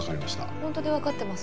本当にわかってます？